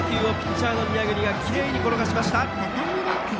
低めの変化球をピッチャーの宮國がきれいに転がしました。